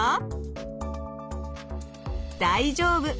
大丈夫！